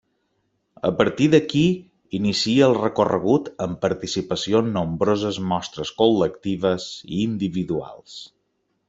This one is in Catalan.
A partir d’aquí, inicia el recorregut amb participació en nombroses mostres col·lectives i individuals.